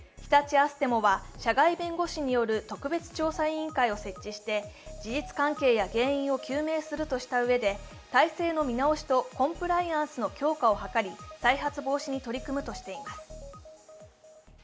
アステモは社外弁護士による特別調査委員会を設置して事実関係や原因を究明するとしたうえで体制の見直しとコンプライアンスの強化を図り、再発防止に取り組むとしています。